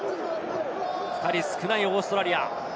２人少ないオーストラリア。